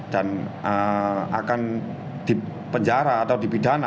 dan akan dipenjara atau dipidana